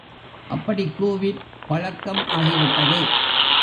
அப்படிக் கூவிப் பழக்கம் ஆகிவிட்டது.